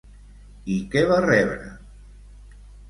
I què va rebre?